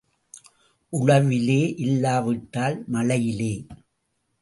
உழவிலே இல்லாவிட்டால் மழையிலே.